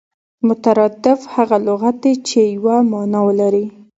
مترادف هغه لغت دئ، چي یوه مانا ولري.